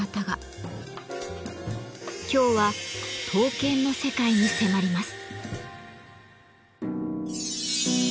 今日は刀剣の世界に迫ります。